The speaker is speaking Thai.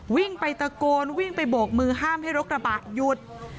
วิ่งไปตะโกนวิ่งไปโบกมือห้ามให้รถกระบะหยุด